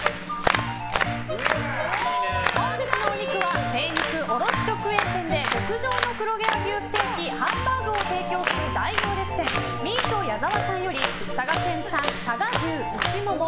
本日のお肉は、精肉卸直営店で極上の黒毛和牛ステーキ・ハンバーグを提供する大行列店ミート矢澤さんより佐賀県産、佐賀牛、内モモ